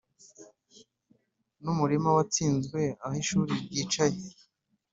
numurima watsinzwe aho ishuri ryicaye